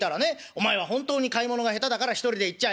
『お前は本当に買い物が下手だから一人で行っちゃいけない。